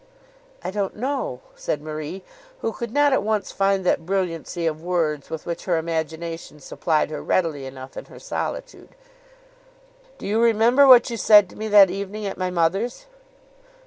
"I don't know," said Marie, who could not at once find that brilliancy of words with which her imagination supplied her readily enough in her solitude. "Do you remember what you said to me that evening at my mother's?"